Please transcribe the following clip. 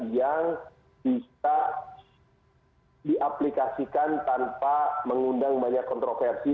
yang bisa diaplikasikan tanpa mengundang banyak kontroversi